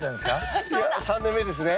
いや３年目ですね。